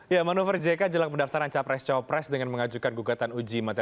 ya manuver jk jelang pendaftaran capres capres dengan mengajukan gugatan uji materi